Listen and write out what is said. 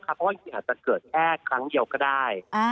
เพราะว่าจริงอาจจะเกิดแค่ครั้งเดียวก็ได้